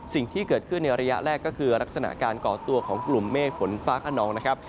สิ่งที่เกิดขึ้นในระยะแรกก็คือลักษณะการก่อตัวของกลุ่มเมฆฝนฟ้าขนองนะครับ